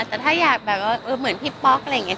แต่ถ้าอยากแบบว่าเหมือนพี่ป๊อกอะไรอย่างนี้